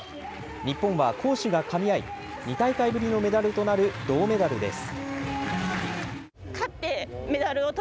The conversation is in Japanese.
日本は攻守がかみ合い、２大会ぶりのメダルとなる銅メダルです。